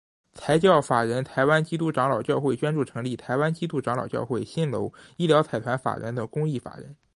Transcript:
财团法人台湾基督长老教会捐助成立台湾基督长老教会新楼医疗财团法人等公益法人。